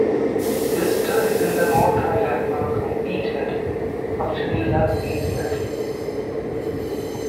His studies in the North Island were completed after he left New Zealand.